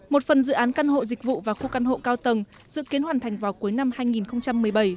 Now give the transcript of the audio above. một phần dự án căn hộ dịch vụ và khu căn hộ cao tầng dự kiến hoàn thành vào cuối năm hai nghìn một mươi bảy